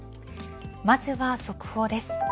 まずは速報です。